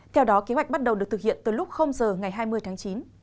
theo đó kế hoạch bắt đầu được thực hiện từ lúc giờ ngày hai mươi tháng chín